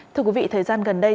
thưa quý vị thời gian gần đây